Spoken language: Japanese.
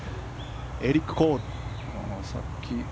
エリック・コール。